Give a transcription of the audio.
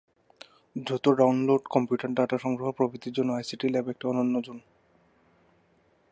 দ্রুত ডাউনলোড, কম্পিউটারে ডাটা সংগ্রহ প্রভৃতির জন্য আইসিটি ল্যাব একটি অনন্য জোন।